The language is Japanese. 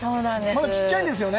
まだちっちゃいんですよね？